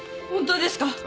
本当ですか？